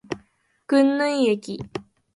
国縫駅